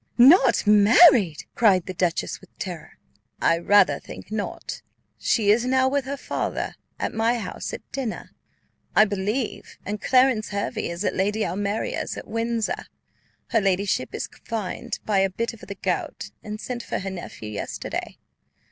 "Not married!" cried the dowager with terror. "I rather think not; she is now with her father, at my house at dinner, I believe, and Clarence Hervey is at Lady Almeria's, at Windsor: her ladyship is confined by a fit of the gout, and sent for her nephew yesterday.